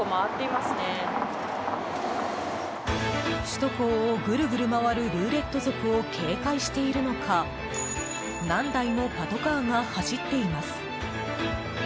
首都高をぐるぐる回るルーレット族を警戒しているのか何台もパトカーが走っています。